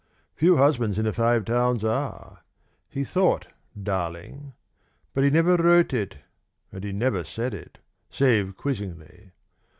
Few husbands in the Five Towns are. He thought "darling," but he never wrote it, and he never said it, save quizzingly.